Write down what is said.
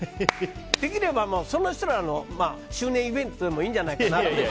できれば、その人らの周年イベントでもいいんじゃないかと。